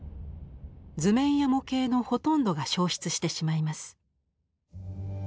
図面や模型のほとんどが焼失してしまいます。